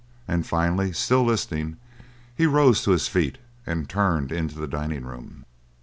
And finally, still listening, he rose to his feet and turned into the dining room.